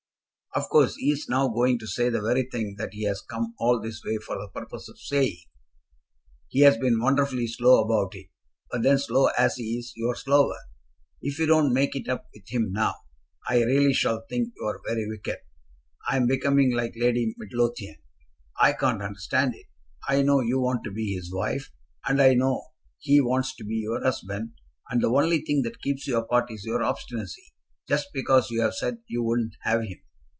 "Of course he is now going to say the very thing that he has come all this way for the purpose of saying. He has been wonderfully slow about it; but then slow as he is, you are slower. If you don't make it up with him now, I really shall think you are very wicked. I am becoming like Lady Midlothian; I can't understand it. I know you want to be his wife, and I know he wants to be your husband, and the only thing that keeps you apart is your obstinacy, just because you have said you wouldn't have him.